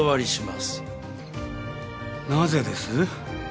なぜです？